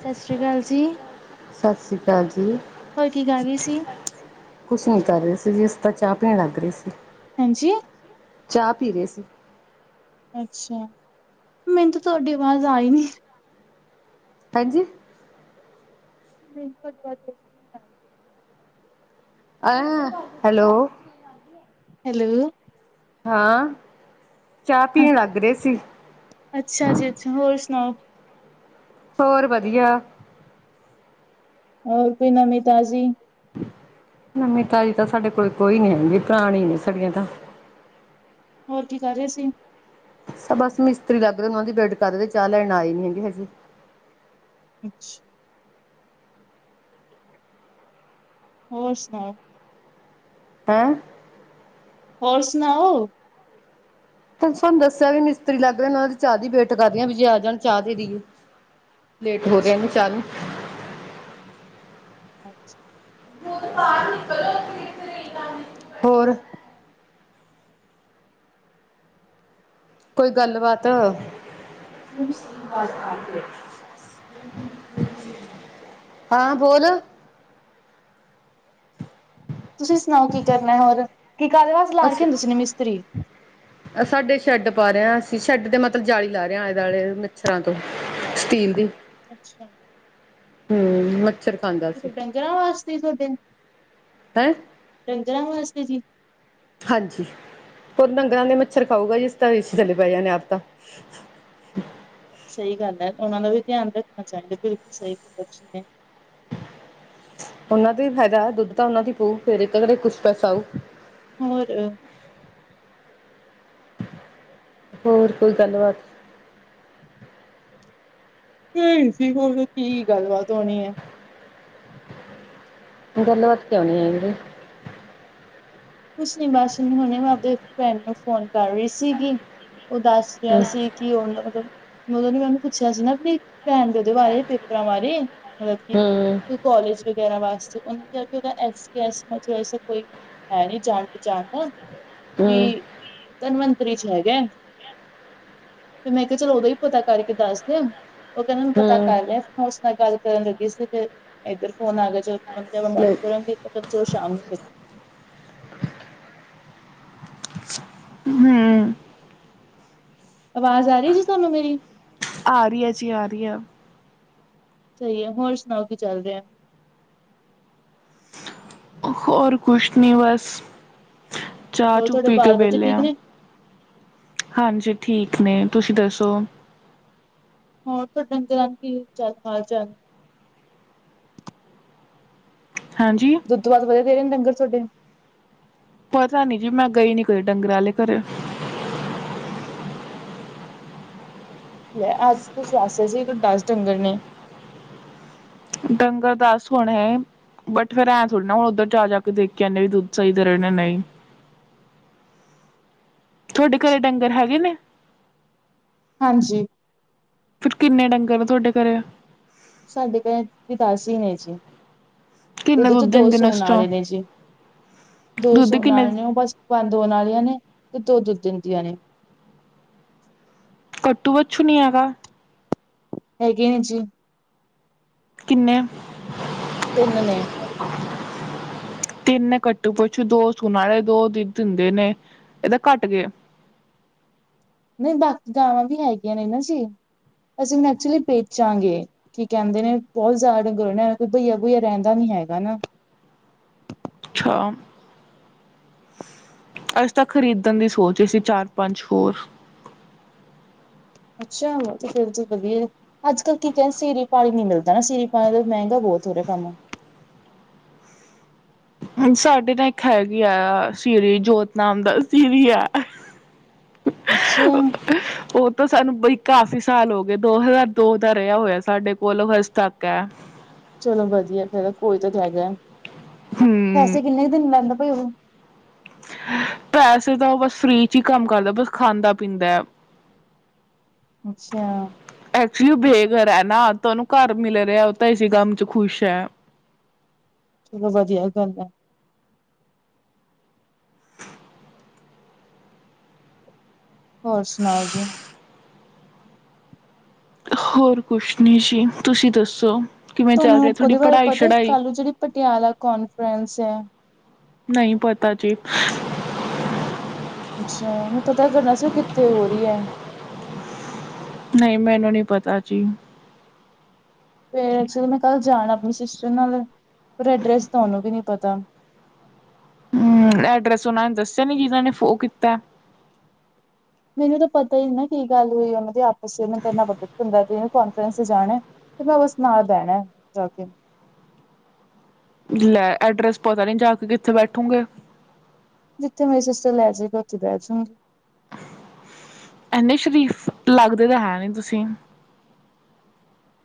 ਸਤਿ ਸ਼੍ਰੀ ਅਕਾਲ ਜੀ। ਸਤਿ ਸ਼੍ਰੀ ਅਕਾਲ ਜੀ। ਹੋਰ ਕੀ ਕਰ ਰਹੀ ਸੀ? ਕੁਛ ਨੀ ਕਰ ਰਹੇ ਸੀ ਜੀ ਅਸੀਂ ਤਾ ਚਾਹ ਪੀਣ ਲੱਗ ਰਹੇ ਸੀ। ਹਾਂਜੀ! ਚਾਹ ਪੀ ਰਹੇ ਸੀ। ਅੱਛਾ, ਮੈਨੂੰ ਤਾਂ ਤੁਹਾਡੀ ਆਵਾਜ਼ ਆਈ ਨੀ। ਹਾਂਜੀ। ਬਿਲਕੁਲ ਘੱਟ। ਆ, ਹੈਲੋ। ਹੈਲੋ। ਹਾਂ, ਚਾਹ ਪੀਣ ਲੱਗ ਰਹੇ ਸੀ। ਅੱਛਾ ਜੀ, ਅੱਛਾ, ਹੋਰ ਸੁਣਾਓ? ਹੋਰ ਵਧੀਆ। ਹੋਰ ਕੋਈ ਨਮੀ ਤਾਜ਼ੀ? ਨਵਮੀਂ ਤਾਜ਼ੀ ਤਾਂ ਸਾਡੇ ਕੋਲ ਕੋਈ ਨੀ ਹੈਗੀ ਪੁਰਾਣੀ ਨੇ ਸਾਡੀਆਂ ਤਾਂ। ਹੋਰ ਕੀ ਕਰ ਰਹੇ ਸੀ? ਸ ਬਸ ਮਿਸਤਰੀ ਲੱਗ ਰਹੇ ਉਹ ਦੀ ਵੇਟ ਕਰ ਰ ਚਾਹ ਲੈਣ ਆਏ ਨੀ ਹੈਗੇ ਹਜੇ। ਅੱਛਾ। ਹੋਰ ਸੁਣਾਓ? ਹੈਂ ਹੋਰ ਸੁਣਾਓ? ਤੁਹਾਨੂੰ ਦੱਸਿਆ ਵੀ ਮਿਸਤਰੀ ਲੱਗ ਰਹੇ ਨੇ ਉਹ ਚਾਹ ਦੀ ਵੇਟ ਕਰਦੀ ਵੀ ਜੇ ਆ ਜਾਣ ਚਾਹ ਦੇਦੀਏ। ਲੇਟ ਹੋ ਰਹੇ ਨੇ ਚਾਹ ਅੱਛਾ। [unintelligible] ਹੋਰ। ਕੋਈ ਗੱਲਬਾਤ ਆ। ਆਵਾਜ਼ ਆ ਰਹੀ ਹੈ। ਹਾਂ ਬੋਲ। ਤੁਸੀਂ ਸੁਣਾਓ? ਕੀ ਕਰਨਾ ਹੋਰ, ਕੀ ਕਾਹਦੇ ਵੈਸੇ ਲਾ ਰੱਖੇ ਅੱਛਾ ਨੇ ਤੁਸੀ ਮਿਸਤਰੀ? ਸਾਡੇ ਸ਼ੈੱਡ ਪਾ ਰਹੇ ਆ ਅਸੀਂ ਸ਼ੈੱਡ ਤੇ ਮਤਲਬ ਜਾਲੀ ਲਾ ਰਹੇ ਆ ਆਲੇ-ਦੁਆਲੇ ਮੱਛਰਾਂ ਤੋਂ ਸਟੀਲ ਦੀ। ਅੱਛਾ। ਹਮ, ਮੱਛਰ ਖਾਂਦਾ ਇਹ ਸੀ ਡੰਗਰਾਂ ਵਾਸਤੇ ਹੀ ਤੁਹਾਡੇ ਹੈਂ। ਡੰਗਰਾਂ ਵਾਸਤੇ ਜੀ ਹਾਂਜੀ, ਹੋਰ ਡੰਗਰਾਂ ਦੇ ਮੱਛਰ ਖਾਊਗਾ ਅਸੀਂ ਤਾਂ ਏ ਸੀ ਥੱਲੇ ਪੈ ਜਾਣੇ ਆਪ ਤਾਂ ਸਹੀ ਗੱਲ ਹੈ, ਤੇ ਉਹਨਾਂ ਦਾ ਵੀ ਧਿਆਨ ਰੱਖਣਾ ਚਾਹੀਦਾ ਬਿਲਕੁਲ ਸਹੀ ਬੈਠੇ ਨੇ ਉਹਨਾਂ ਦਾ ਹੀ ਫਾਇਦਾ ਦੁੱਧ ਤਾਂ ਉਹਨਾਂ ਦੀ ਪਊ ਫੇਰ ਇੱਕ ਕਦਰੇ ਕੁਛ ਪੈਸਾ ਆਊ। ਹੋਰ। ਹੋਰ ਕੋਈ ਗੱਲਬਾਤ? ਏਹੀ ਸੀ, ਹੋਰ ਕੀ ਗੱਲਬਾਤ ਹੋਣੀ ਹੈ। ਗੱਲਬਾਤ ਕਿਉਂ ਨਹੀਂ ਆਏਂਗੀ। ਕੁਛ ਨੀ ਬਸ ਹੁਣੇ ਮੈਂ ਆਪਦੇ ਫਰੈਂਡ ਨੂੰ ਫੋਨ ਕਰ ਰਹੀ ਸੀਗੀ, ਉਹ ਦੱਸ ਰਿਹਾ ਹਮ ਸੀ। ਕੀ ਉਹਦਾ ਮਤਲਬ, ਮੈਂ ਓਦੋਂ ਵੀ ਮੈਨੂੰ ਪੁੱਛਿਆ ਸੀ ਨਾ ਆਪਣੀ ਭੈਣ ਦੇ ਉਹਦੇ ਬਾਰੇ, ਪੇਪਰਾਂ ਬਾਰੇ, ਮਤਲਬ ਕੀ ਹਮ ਕੋਲੇਜ ਵਗੈਰਾ ਵਾਸਤੇ ਉਹਨਾਂ [unintelligible] ਕੋਈ ਹੈ ਨੀ ਜਾਣ ਪਚਾਣ ਦਾ, ਹਮ ਵੀ ਤਨਵੰਤਰੀ 'ਚ ਹੈਗੇ। ਫਿਰ ਮੈਂ ਕਿਹਾ ਚਲੋ ਉਦਾਂ ਹੀ ਪਤਾ ਕਰਕੇ ਦੱਸਦੇ ਆ। ਉਹ ਕਹਿੰਦੇ ਨੂੰ ਪਤਾ ਹਮ ਕਰ ਲਿਆ ਫਿਰ ਮੈਂ ਉਸ ਨਾਲ ਗੱਲ ਕਰਨ ਲੱਗੀ ਸੀ, ਫਿਰ ਇੱਧਰ ਫੋਨ ਆ ਗਿਆ 'ਚ ਬਾਅਦ ਲੈ 'ਚ ਕਰੂੰਗੀ 'ਚ ਸ਼ਾਮ [unintelligible] ਹਮ ਆਵਾਜ਼ ਆ ਰਹੀ ਜੀ ਤਹਾਨੂੰ ਮੇਰੀ। ਆ ਰਹੀ ਹੈ ਜੀ, ਆ ਰਹੀ ਆ। ਸਹੀ ਹੈ, ਹੋਰ ਸੁਣਾਓ ਕੀ ਚੱਲ ਰਿਹਾ? ਹੋਰ ਕੁਛ ਨੀ ਬਸ, ਚਾਹ ਹੋਰ ਚੂ ਤੁਹਾਡੇ ਪੀ ਕੇ ਬਾਲ ਬੱਚੇ ਬੇਲੇੇ ਠੀਕ ਆ। ਨੇ? ਹਾਂਜੀ, ਠੀਕ ਨੇ, ਤੁਸੀਂ ਦੱਸੋ? ਹੋਰ ਫਿਰ ਡੰਗਰਾਂ ਨੂੰ ਕੀ ਚਲ ਹਾਲ-ਚਾਲ ਹੈਂਜੀ। ਦੁੱਧ ਵਾਧ ਵਧੀਆ ਦੇ ਰਹੇ ਡੰਗਰ ਸੋਡੇ ਪਤਾ ਨੀ ਜੀ ਗਈ ਨੀ ਕਦੇ ਡੰਗਰ ਆਲੇ ਘਰੇ। ਲੈ ਅੱਜ ਤੁਸੀਂ ਦੱਸੇ ਰਹੇ ਸੀ ਦਸ ਡੰਗਰ ਨੇ। ਡੰਗਰ ਦਸ ਹੋਣ ਹੈ। ਬਟ, ਫਿਰ ਐਂ ਥੋੜੀ ਨਾ ਹੁਣ ਉੱਧਰ ਜਾ- ਜਾ ਕੇ ਦੇਖ ਕੇ ਆਦੇ ਵੀ ਦੁੱਧ ਸਹੀ ਦੇ ਰਹੇ ਨੇਜਾ ਨਹੀਂ। ਤੁਹਾਡੇ ਘਰੇ ਡੰਗਰ ਹੈਗੇ ਨੇ? ਹਾਂਜੀ। ਫਿਰ ਕਿੰਨੇ ਡੰਗਰ ਆ ਤੁਹਾਡੇ ਘਰੇ? ਸਾਡੇ ਘਰੇ 'ਚ ਵੀ ਦਸ ਹੀ ਨੇ ਜੀ। ਕਿੰਨੇ ਉਹਦੇ 'ਚ ਦੁੱਧ ਦੋ ਦਿੰਦੇ ਨੇ ਸੂਣ ਉਸ ਚੋਂ ਵਾਲੇ ਨੇ ਜੀ, ਦੋ ਦੁੱਧ ਸੂਣ ਕਿੰਨੇ ਵਾਲੇ ਨੇ ਉਹ ਬਸ ਬੰਦ ਹੋਣ ਵਾਲੀਆਂ ਨੇ, ਤੇ ਦੋ ਦੁੱਧ ਦਿੰਦੀਆਂ ਨੇ। ਕੱਟੂ ਬੱਛੁ ਨੀ ਹੈਗਾ ਹੈਗੇ ਨੇ ਜੀ। ਕਿੰਨੇ? ਤਿੰਨ ਨੇ। [inaudible] ਤਿੰਨ ਕੱਟੂ ਪੁੱਛੂ, ਦੋ ਸੂਣ ਆਲੇ, ਦੋ ਦੁੱਧ ਦਿੰਦੇ ਨੇ ਇਹ ਤਾਂ ਘੱਟ ਗਏ। ਨਹੀਂ ਬਾਕੀ ਗਾਵਾਂ ਵੀ ਹੈਗੀਆਂ ਨੇ ਨਾ ਜੀ, ਅਸੀਂ ਐਕਚੁਲੀ ਬੇਚਾਂਗੇ। ਕੀ ਕਹਿੰਦੇ ਨੇ ਬਹੁਤ ਜ਼ਿਆਦਾ ਡੰਗਰ ਹੋ ਜਾਣੇ ਕੋਈ ਬਈਆ- ਬਈਆ ਰਹਿੰਦਾ ਨੀ ਹੈਗਾ ਨਾ। ਅੱਛਾ। ਅਸੀਂ ਤਾਂ ਖਰੀਦਣ ਦੀ ਸੋਚ ਰਹੇ ਸੀ ਚਾਰ-ਪੰਜ ਹੋਰ ਅੱਛਾ, ਬਹੁਤ ਫਿਰ ਤੇ ਵਧੀਐ। ਅੱਜ-ਕੱਲ੍ਹ ਕੀ ਕੈਅ ਸੀਰੀ- ਪਾਲੀ ਨੀਂ ਮਿਲਦਾ ਨਾ ਸੀਰੀ- ਪਾਲੀ ਦਾ ਵੀ ਮੈਂਗਾ ਬਹੁਤ ਹੋ ਰਿਐ ਕੰਮ। ਹਾਂਜੀ ਸਾਡੇ ਨਾ ਇੱਕ ਹੈਗੀ ਐ ਸੀਰੀ ਜੋਤ ਨਾਮ ਦਾ ਸੀਰੀ ਐ ਅਹ। ਅੱਛਾ। ਉਹ ਤਾਂ ਸਾਨੂੰ ਬਈ ਕਾਫੀ ਸਾਲ ਹੋਗੈ ਦੋ ਹਜ਼ਾਰ ਦੋ ਦਾ ਰਿਆ ਹੋਇਐ ਸਾਡੇ ਕੋਲ ਓ ਹਜੇ ਤੱਕ ਐ। ਚਲੋ ਵਧੀਆ ਫਿਰ ਕੋਈ ਤਾ। [unintelligible] ਹਮ। ਪੈਸੇ ਕਿੰਨੇ- ਕੁ ਦਿਨ ਲੈਂਦੈ ਭਈ ਉਹ? ਪੈਸੇ ਤਾ ਉਹ ਬਸ ਫ੍ਰੀ ਚੀ ਕੰਮ ਕਰਦਾ ਬਸ ਖਾਂਦਾ ਪੀਂਦੈ ਆ। [inaudible] ਅੱਛਿਆ ਆ। ਐੱਕਚੁਲੀ ਓ ਬੇਗ੍ਹਰ ਐ ਨਾ ਤੁ ਉਨੂੰ ਗ੍ਹਰ ਮਿਲ ਰਿਐ ਉਅ ਤਾਂ ਇਸੇ ਕੰਮ 'ਚ ਖੁਸ਼ ਐ। ਚਲੋ ਵਧੀਆ ਐ ਗੱਲ। [inaudible] ਹੋਰ ਸੁਣਾਓ ਜੀ? ਹੋਰ ਕੁਛ ਨੀਂ ਜੀ ਤੁਸੀ ਦੱਸੋ ਕਿਵੇਂ ਚੱਲ ਤੁਹਾਨੂੰ ਰੀਐ ਥੋਡੀ ਉਹਦੇ ਬਾਰੇ ਪੜ੍ਹਾਈ- ਪਤਾ ਛੜ੍ਹਾਈ? ਕੱਲ ਜਿਹੜੀ ਪਟਿਆਲਾ ਕੌਨਫਰੰਸ ਐ। ਨਈਂ ਪਤਾ ਜੀ। ਅੱਛਾ, ਮੈਂ ਪਤਾ ਕਰਨਾ ਸੀ ਉਹ ਕਿੱਥੇ ਹੋਰੀ ਐ? ਨਈਂ ਮੈਨੂੰ ਨੀਂ ਪਤਾ ਜੀ। ਤੇਅ ਐਕਚਲੀ ਮੈਂ ਕਲ ਜਾਣਾ ਆਪਣੀ ਸਿਸਟਰ ਨਾਲ, ਰ ਐਡਰੈਸ ਉਹਨੂੰ ਵੀ ਨੀ ਪਤਾ। ਅਮ ਐਡਰੈਸ ਉਨਾਂ ਨੇ ਦੱਸਿਆ ਨੀ ਜਿਨਾਂ ਨੇ ਫੋ ਕੀਤਾ। ਮੈਂਨੂੰ ਤਾ ਪਤਾ ਈ ਨੀ ਨਾ ਕੀ ਗੱਲ ਹੋਈ ਆ ਉਨਾਂ ਦੀ ਆਪਸ 'ਚ'ਮੈਨੂੰ ਤ ਐਨਾਂ ਪਤਾ ਵੀ ਪਿੰਡਾਂ 'ਚ ਇਹਨੇ ਕੌਨਫਰੈਂਸ 'ਚ' ਜਾਣੈ। ਮੈਂ ਤਾਂ ਬਸ ਨਾਲ ਬਹਿਣਾ ਜਾ ਕੇ। ਲੈ ਐਡਰੈਸ ਪਤਾ ਨੀ, ਜਾ ਕੇ ਕਿੱਥੇ ਬੈਠੋਂਗੇ? ਜਿੱਥੇ ਮੇਰੀ ਸਿਸਟਰ ਲੈਜੇਗੀ ਉਥੀ ਬਹਿ ਜੂਗੀ। ਇੰਨੇ ਸ਼ਰੀਫ ਲੱਗਦੇ ਤਾ ਹੈ ਨੀ ਤੁਸੀਂ।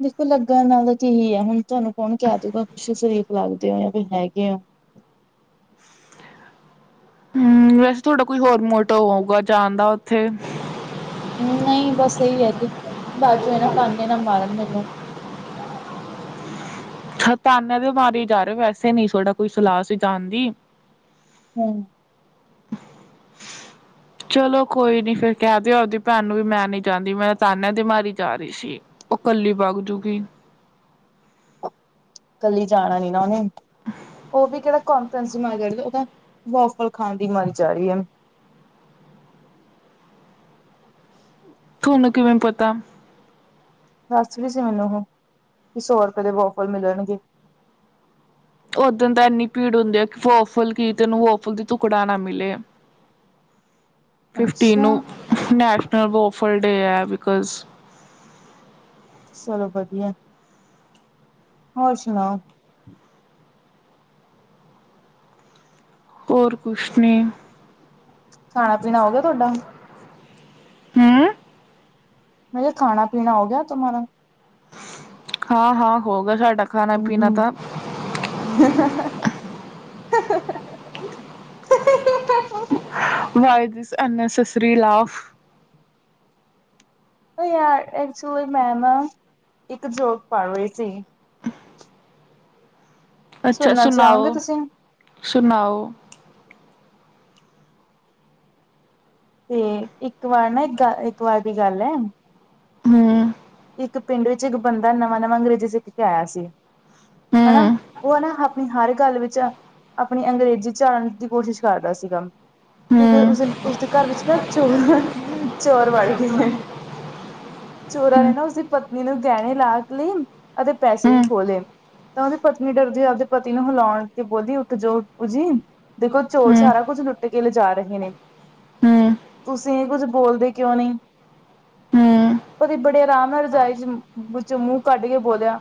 ਦੇਖੋ ਲੱਗਣ ਵਾਲੀ ਚੀਜ਼ ਐ ਹੁਣ ਧੋਨੂੰ ਕੌਣ ਕੈਅ ਦੂਗਾ ਤੁਸੀ ਸਰੀਫ਼ ਲਗਦੇ ਓ ਜਾਂ ਵੀ ਹੈਗੇ ਓਂ। ਹਮ ਵੈਸੇ ਤੁਅਡਾ ਕੋਈ ਹੋਰ ਮੋਟਵ ਹੋਊਗਾ ਜਾਣ ਦਾ ਉੱਥੇ? ਨਈਂ ਬਸ ਐਈ ਕੀ ਬਾਅਚੋ ਐ ਨਾ ਤਾਨੇ ਨਾ ਮਾਰਨ ਮੈਨੂੰ। ਹ ਤਾਨੇ ਦੇ ਮਾਰੇ ਜਾ ਰੇ ਵੈਸੇ ਨੀ ਸੋਡਾ ਕੋਈ ਸਲਾਅ ਸੀ ਜਾਣ ਦੀ। ਹਮ। ਅਹ ਹਅ। ਚਲੋ ਕੋਈ ਨੀ ਫਿਰ ਕੈਅ ਦਿਓ ਆਬਦੀ ਭੈਣ ਨੂੰ ਵੀ ਮੈਂ ਨੀਂ ਜਾਂਦੀ ਮੈਂ ਤਾਨਿਆ ਦੀ ਮਾਰੀ ਜਾ ਰੀ ਸੀ। ਓ ਕੱਲੀ ਬਗ ਜੂਗੀ। ਕੱਲੀ ਜਾਣਾ ਨੀ ਨਾਂ ਉਨੇ ਉਅ ਵੀ ਕੇੜਾ ਕੌਨਫਰੰਸ ਦੀ ਮਾਰੀ ਨ ਜਾ ਰੀ ਓ ਤਾ ਵੌਫਲ ਖਾਨ ਦੀ ਮਾਰੀ ਜਾ ਰੀ ਆ। ਥੋਨੂੰ ਕਿਵੇਂ ਪਤਾ? ਦੱਸ ਰੀ ਸੀ ਮੈਨੂੰ ਉਹੋ ਵੀ ਸੌ ਰਪੇ ਦੇ ਬੌਫਰ ਮਿਲਣਗੇ। ਓਦਣ ਤਾ ਇੰਨੀ ਭੀੜ ਹੁੰਦੀ ਐ ਕਿ ਵੌਫਲ ਕੀ ਤੈਨੂੰ ਵੌਫਲ ਦੀ ਤੁੁਕੜਾ ਨਾ ਮਿਲੇ। ਫਿਫਟੀਨ ਨੂੰ ਅੱਛਾ ਨੈਸ਼ਨਲ ਵੋਫਰ ਡੇ ਐ ਬਿਕੋਜ ਚਲੋ ਵਧੀਐ। ਹੋਰ ਸੁਣਾਓ। ਹੋਰ ਕੁਛ ਨੀ। ਖਾਣਾ- ਪੀਣਾ ਓ ਗਿਆ ਥੋਡਾ? ਹਮ ਮੈਂ ਕਿ ਖਾਣਾ- ਪੀਣਾ ਹੋ ਗਿਆ ਤੁਮਾਰਾ? ਹਾਂ -ਹਾਂ ਹੋਗਾ ਸਾਡਾ। ਖਾਣਾ ਪੀਣਾ ਤਾਂ ਹੂੰ-ਹੂੰ, ਅਹ ਹਹ ਹਹ ਹਹ। [inaudible] ਵਾਹਿ ਜ ਅੰਨ- ਅੰ ਨ ਸਸ੍ਰੀ ਲਾਫ ਬਈ ਐਕਚੁਲੀ ਮੈਂ ਨਾ, ਇੱਕ ਜੋਕ ਪੜ ਰਹੀ ਸੀ। ਅੱਛਾ ਸੁਣਨਾ ਸੁਣਾਓ, ਚਾਹੋਗੇ ਤੁਸੀਂ ਸੁਣਾਓ। ਤੇ ਇੱਕ ਵਾਰ ਨਾ ਇੱਕ ਗ ਇੱਕ ਵਾਰ ਦੀ ਗੱਲ ਐ। ਹਮ। ਇੱਕ ਪਿੰਡ ਵਿੱਚ ਇੱਕ ਬੰਦਾ ਨਵਾਂ-ਨਵਾਂ ਅੰਗਰੇਜ਼ੀ ਸਿੱਖ ਕੇ ਆਇਆ ਸੀ। ਹੂੰ ਹਨਾ, ਹੂੰ ਉਹ ਹੈ ਨਾ ਆਪਣੀ ਹਰ ਗੱਲ ਵਿੱਚ ਆਪਣੀ ਅੰਗਰੇਜ਼ੀ ਝਾੜਨ ਦੀ ਕੋਸ਼ਿਸ਼ ਕਰਦਾ ਸੀਗਾ। ਤੇ ਹੂੰ ਉਸ ਦਿਨ ਉਸਦੇ ਘਰ ਵਿੱਚ ਨਾ ਚੋਰ, ਚੋਰ ਵੜ ਗਏ। [inaudible] ਚੋਰਾਂ ਨੇ ਨਾ ਉਸਦੀ ਪਤਨੀ ਨੂੰ ਗਹਿਣੇ ਲਾਕਲੀ ਅਤੇ ਪੈਸੇ ਵੀ ਹੂੰ ਖੋ ਲਏ। ਤਾਂ ਉਹਦੀ ਪਤਨੀ ਡਰਦੀ ਆ ਆਪਦੇ ਪਤੀ ਨੂੰ ਹਿਲਾਉਣ ਤੇ ਬੋਲੀ ਉੱਠ ਜੋ ਜੀ। ਦੇਖੋ ਚੋਰ ਸਾਰਾ ਕੁਛ ਲੁੱਟ ਕੇ ਲੇਜਾ ਰਹੇ ਨੇ। ਤੁਸੀਂ ਕੁੱਝ ਬੋਲਦੇ ਕਿਉਂ ਨਹੀਂ ਹੂੰ ਹੂੰ ਪਤੀ ਬੜੇ ਆਰਾਮ ਨਾਲ ਰਜਾਈ 'ਚ ਮੂੰਹ ਕੱਢ ਕੇ ਬੋਲਿਆ।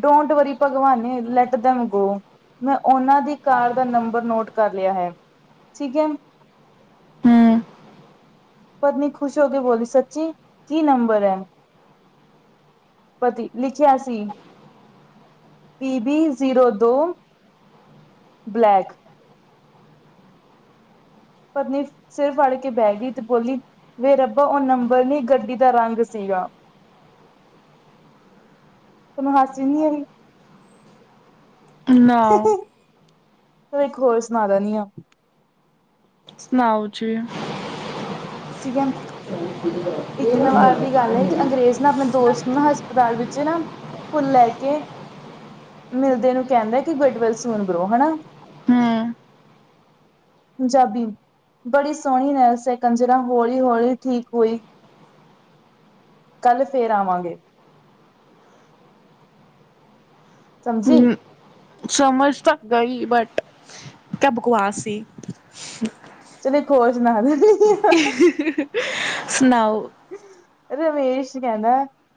ਡੋਂਟ ਵਰੀ ਭਗਵਾਨੇ ਲੈਟ ਦਮ ਗੋ। ਮੈਂ ਉਹਨਾਂ ਦੀ ਕਾਰ ਦਾ ਨੰਬਰ ਨੋਟ ਕਰ ਲਿਆ ਹੈ, ਠੀਕ ਹੈ। ਹਮ। ਪਤਨੀ ਖੁਸ਼ ਹੋ ਕੇ ਬੋਲੀ ਸੱਚੀ, ਕੀ ਨੰਬਰ ਐ? ਪਤੀ, ਲਿਖਿਆ ਸੀ। ਪੀ ਬੀ ਜ਼ੀਰੋ ਦੋ, ਬਲੈਕ ਪਤਨੀ ਸਿਰ ਫੜ ਕੇ ਬਹਿ ਗਈ ਤੇ ਬੋਲੀ ਵੇ ਰੱਬਾ ਉਹ ਨੰਬਰ ਨੀ ਗੱਡੀ ਦਾ ਰੰਗ ਸੀਗਾ। [inaudible] ਤੁਹਾਨੂੰ ਹਾੱਸੀ ਨਹੀਂ ਆਈ? ਨਾ ਤੇ ਇੱਕ ਹੋਰ ਸੁਣਾ ਦੇਣੀ ਆ। ਸੁਣਾਓ ਜੀ। ਠੀਕ ਐ, ਇੱਕ ਨਵਾਰ ਦੀ ਗੱਲ ਐ। ਇੱਕ ਅੰਗਰੇਜ਼ ਨਾ ਆਪਣੇ ਦੋਸਤ ਨਾ ਹਸਪਤਾਲ ਵਿੱਚ ਨਾ ਫੁੱਲ ਲੈ ਕੇ ਮਿਲਦੇ ਨੂੰ ਕਹਿੰਦਾ ਕਿ ਗੁੱਡਵਲ ਸੂਣ ਬਰੋ ਹਨਾ। ਹਮ। ਪੰਜਾਬੀ, ਬੜੀ ਸੋਹਣੀ [unintelligible] ਜਰਾ ਹੌਲੀ-ਹੌਲੀ ਠੀਕ ਹੋਈ, ਕੱਲ ਫੇਰ ਆਵਾਂਗੇ। ਸਮਝੀ ਹਮ। ਸਮਝ ਤਾ ਗਈ ਬਟ, ਕਿਆ ਬਕਵਾਸ ਸੀ। ਚਲੋ, ਇੱਕ ਹੋਰ ਸੁਣਾਦੋ। ਸੁਣਾਓ? ਰਮੇਸ਼ ਕਹਿੰਦਾ,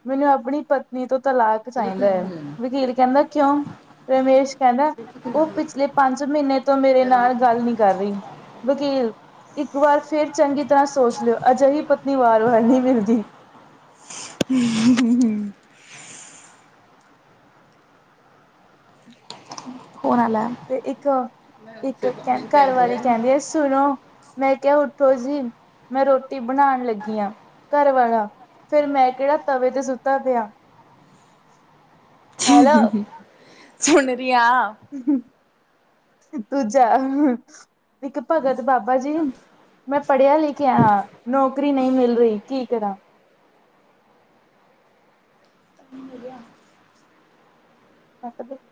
ਮੈਨੂੰ ਆਪਣੀ ਤੋਂ ਤਲਾਕ ਚਾਹੀਦਾ ਏ। ਵਕੀਲ ਕਹਿੰਦਾ ਕਿਉਂ? ਰਮੇਸ਼ ਕਹਿੰਦਾ ਉਹ ਪਿਛਲੇ ਪੰਜ ਮਹੀਨੇ ਤੋਂ ਮੇਰੇ ਨਾਲ ਗੱਲ ਨਹੀਂ ਕਰ ਰਹੀ। ਵਕੀਲ, ਇੱਕ ਵਾਰ ਫਿਰ ਚੰਗੀ ਤਰ੍ਹਾਂ ਸੋਚ ਲਿਓ। ਅਜਿਹੀ ਪਤਨੀ ਵਾਰ-ਵਾਰ ਨਹੀਂ ਮਿਲਦੀ। ਹਮ। [unintelligible] ਤੇ ਇੱਕ, ਇੱਕ ਘਰਵਾਲੀ ਕਹਿੰਦੀ ਐ ਸੁਣੋ। ਮੈਂ ਕਿਹਾ ਉੱਠੋ ਜੀ, ਮੈਂ ਰੋਟੀ ਬਣਾਂਣ ਲੱਗੀ ਆ। ਘਰ ਵਾਲਾ ਫਿਰ ਮੈਂ ਕਿਹੜਾ ਤਵੇ ਤੇ ਸੁੱਤਾ ਪਿਆ। ਹੈਲੋ ਸੁਣਰੀਆ। ਦੂਜਾ, ਇੱਕ ਭਗਤ ਬਾਬਾ ਜੀ। ਮੈਂ ਪੜ੍ਹਿਆ ਲਿਖਿਆ ਆ, ਹਾਂ ਨੌਕਰੀ ਨਹੀਂ ਮਿਲ ਰਹੀ, ਕੀ ਕਰਾਂ? [unintelligible] [unintelligible]